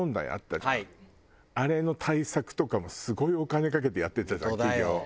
あれの対策とかもすごいお金かけてやってたじゃん企業。